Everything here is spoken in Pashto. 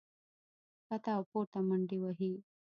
ښکته او پورته منډې وهي